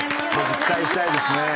期待したいですね。